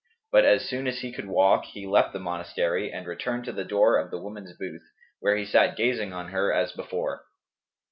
But as soon as he could walk, he left the monastery and returned to the door of the woman 's booth, where he sat gazing on her as before.